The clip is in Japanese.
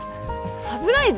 サプライズ？